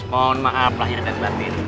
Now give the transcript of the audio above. mohon maaf lahir dan batin